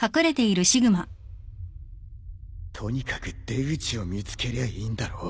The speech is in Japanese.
とにかく出口を見つけりゃいいんだろ。